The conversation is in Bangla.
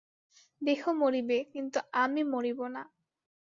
দেহ মরিবে, কিন্তু আমি মরিব না।